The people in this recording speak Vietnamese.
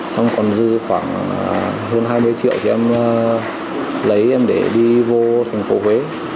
xong còn dư khoảng hơn hai mươi triệu thì em lấy em để đi vô thành phố huế